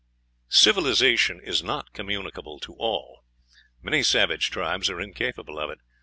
Civilization is not communicable to all; many savage tribes are incapable of it.